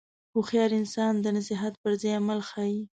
هوښیار انسان د نصیحت پر ځای عمل ښيي.